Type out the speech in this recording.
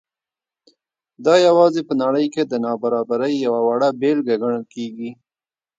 دا یوازې په نړۍ کې د نابرابرۍ یوه وړه بېلګه ګڼل کېږي.